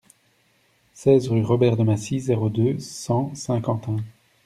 seize rue Robert de Massy, zéro deux, cent Saint-Quentin